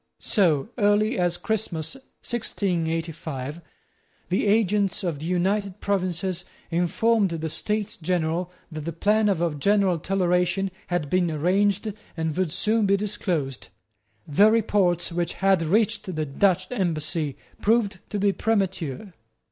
So early as Christmas 1685, the agents of the United Provinces informed the States General that the plan of a general toleration had been arranged and would soon be disclosed. The reports which had reached the Dutch embassy proved to be premature.